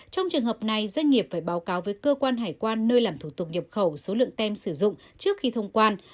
trong trường hợp này doanh nghiệp phải báo cáo với cơ quan hải quan nơi làm thủ tục nhập khẩu số lượng tem sử dụng trước khi thông quan